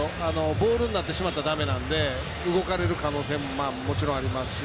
ボールになってしまったらだめなんで動かれる可能性ももちろんありますし。